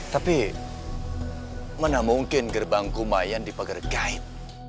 tapi mana mungkin gerbang kumain di pagar kain